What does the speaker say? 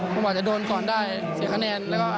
สวัสดีค่ะ